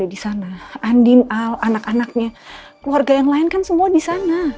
di sana andin al anak anaknya keluarga yang lain kan semua di sana